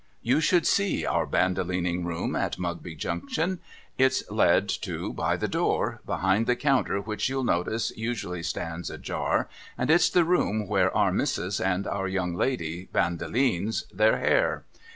You should see our Bandolining Room at Mugby Junction. It's led to by the door behind the counter, which you'll notice usually stands ajar, and it's the room where Our Missis and our young ladies Bandolines their hair.